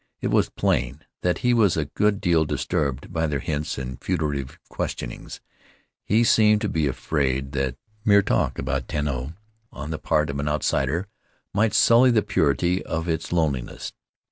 It was plain that he was a good deal disturbed by their hints and furtive questionings. He seemed to be afraid that mere talk about Tanao on the part of an outsider might sully the purity of its loneliness.